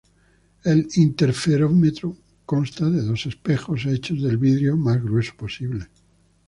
El interferómetro consta de dos espejos, hechos del vidrio más grueso posible.